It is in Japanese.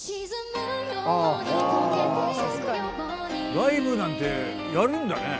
ライブなんてやるんだね。